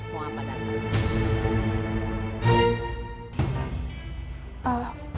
mau apa darma